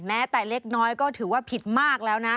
แม้แต่เล็กน้อยก็ถือว่าผิดมากแล้วนะ